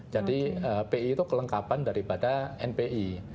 jadi pii itu kelengkapan daripada npi